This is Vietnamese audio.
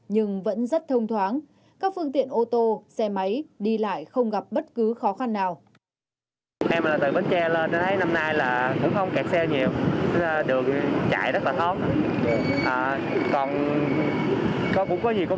nhưng vẫn rất thông thoáng các phương tiện ô tô xe máy đi lại không gặp bất cứ khó khăn nào